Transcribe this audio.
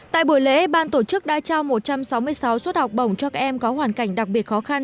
tại buổi lễ ban tổ chức đã trao một trăm sáu mươi sáu suất học bổng cho các em có hoàn cảnh đặc biệt khó khăn